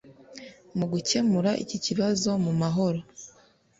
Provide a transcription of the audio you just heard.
Mu gukemura iki kibazo mu mahoro